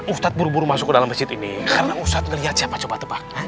ustadz buru buru masuk ke dalam masjid ini karena ustadz melihat siapa coba tebak